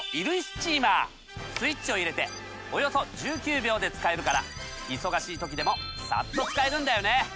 スイッチを入れておよそ１９秒で使えるから忙しい時でもサッと使えるんだよね。